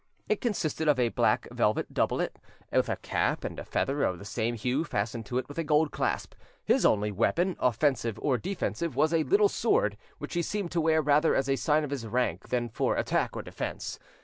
It consisted of a black velvet doublet, with a cap and a feather of the same hue fastened to it with a gold clasp; his only weapon, offensive or defensive, was a little sword, which he seemed to wear rather as a sign of his rank than for attack or defence.